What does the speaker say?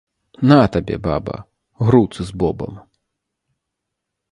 На табе, баба, груцы з бобам!